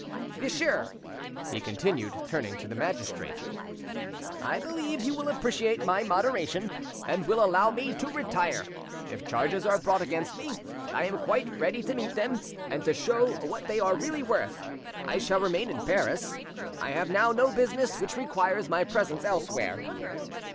Monsieur" he continued, turning to the magistrate, "I believe you will appreciate my moderation, and will allow me to retire. If charges are brought against me, I am quite ready to meet them, and to show what they are really worth. I shall remain in Paris, I have now no business which requires my presence elsewhere."